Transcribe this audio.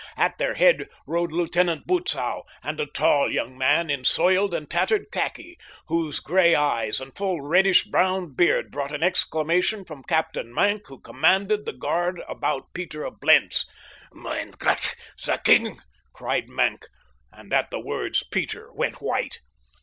At their head rode Lieutenant Butzow and a tall young man in soiled and tattered khaki, whose gray eyes and full reddish brown beard brought an exclamation from Captain Maenck who commanded the guard about Peter of Blentz. "Mein Gott—the king!" cried Maenck, and at the words Peter went white.